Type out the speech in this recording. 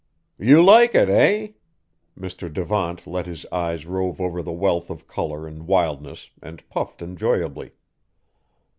"You like it, eh?" Mr. Devant let his eyes rove over the wealth of color and wildness, and puffed enjoyably.